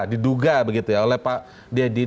diduga begitu ya oleh pak deddy